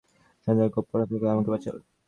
শয়তানের কোপ কটাক্ষ থেকে তুমি আমাকে বাঁচাও!